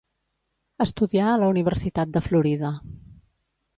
Estudià a la Universitat de Florida.